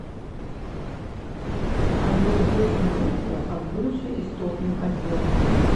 Але ў гэтым руху адбыўся істотны падзел.